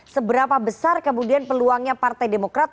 seberapa besar kemudian peluangnya partai demokrat